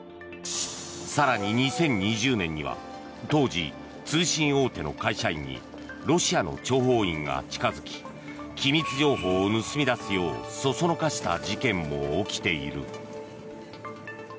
更に２０２０年には当時、通信大手の会社員にロシアの諜報員が近づき機密情報を盗み出すようそそのかした事件も起きている。